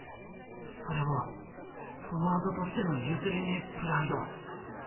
それはフォワードとしての譲れねえプライド。